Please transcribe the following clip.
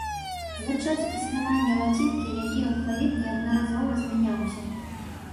За час існавання лацінкі яе алфавіт неаднаразова змяняўся.